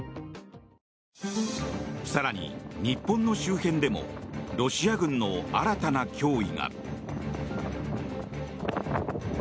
更に、日本の周辺でもロシア軍の新たな脅威が。